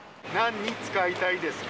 なんに使いたいですか？